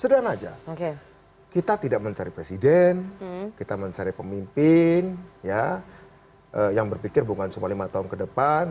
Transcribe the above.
sederhana aja kita tidak mencari presiden kita mencari pemimpin yang berpikir bukan cuma lima tahun ke depan